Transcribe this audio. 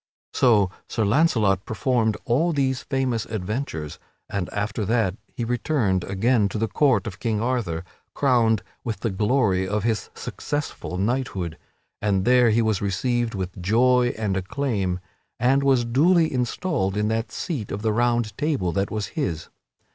So Sir Launcelot performed all these famous adventures, and after that he returned again to the court of King Arthur crowned with the glory of his successful knighthood, and there he was received with joy and acclaim and was duly installed in that seat of the Round Table that was his.